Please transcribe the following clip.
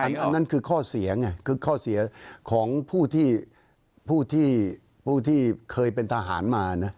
อันนั้นคือข้อเสียของผู้ที่เคยเป็นทหารมา